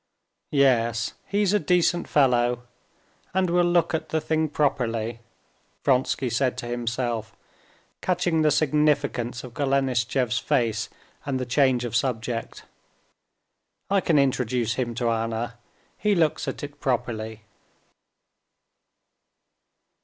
"Yes, he's a decent fellow, and will look at the thing properly," Vronsky said to himself, catching the significance of Golenishtchev's face and the change of subject. "I can introduce him to Anna, he looks at it properly."